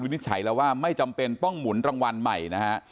นิจฉัยแล้วว่าไม่จำเป็นต้องหมุนรางวัลใหม่นะฮะ